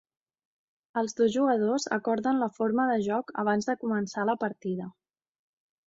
Els dos jugadors acorden la forma de joc abans de començar la partida.